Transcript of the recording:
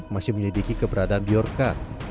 masih menyelidiki keberadaan bjorka